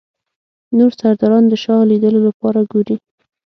نور سرداران د شاه لیدلو لپاره ګوري.